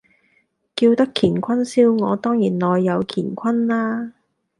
叫得乾坤燒鵝，當然係內有乾坤啦